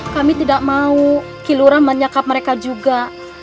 kami tidak mau kilura menyakap mereka juga